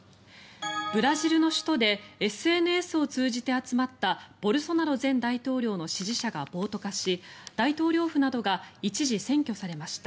ブラジルの首都でＳＮＳを通じて集まったボルソナロ前大統領の支持者が暴徒化し大統領府などが一時、占拠されました。